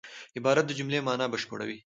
عبارت د جملې مانا بشپړوي.